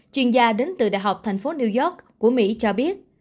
chuyên gia đến từ đại học thành phố new york của mỹ cho biết